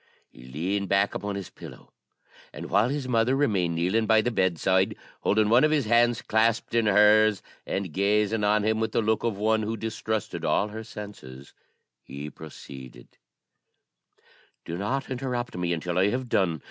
He leaned back upon his pillow, and while his mother remained kneeling by the bedside, holding one of his hands clasped in hers, and gazing on him with the look of one who distrusted all her senses, he proceeded: "Do not interrupt me until I have done.